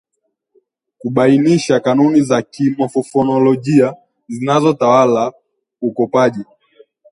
Kubainisha kanuni za kimofofonolojia zinazotawala ukopaji